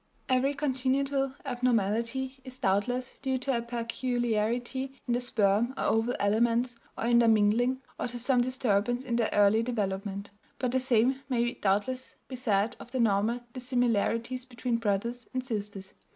Every congenital abnormality is doubtless due to a peculiarity in the sperm or oval elements or in their mingling, or to some disturbance in their early development. But the same may doubtless be said of the normal dissimilarities between brothers and sisters.